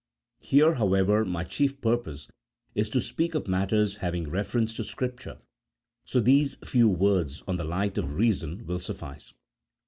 Here, however, my chief purpose is to speak of matters having reference to Scrij)ture, so these few words on the light of reason will suffice.